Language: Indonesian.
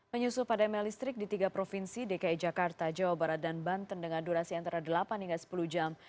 menyusul padamnya listrik di tiga provinsi dki jakarta jawa barat dan banten dengan durasi antara delapan hingga sepuluh jam